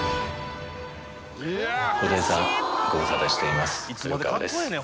布袋さんご無沙汰しています豊川です。